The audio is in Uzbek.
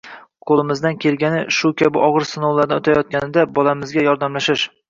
Qo‘limizdan kelgani – shu kabi og‘ir sinovlardan o‘tayotganida bolamizga yordamlashish.